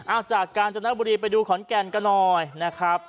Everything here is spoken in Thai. เอาจากกาญจนบุรีไปดูขอนแก่นกันหน่อยนะครับ